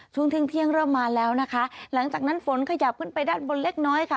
ช่วงเที่ยงเที่ยงเริ่มมาแล้วนะคะหลังจากนั้นฝนขยับขึ้นไปด้านบนเล็กน้อยค่ะ